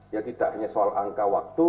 ya tidak hanya soal angka waktu